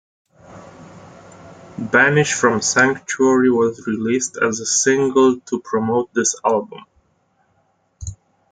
"Banish from Sanctuary" was released as a single to promote this album.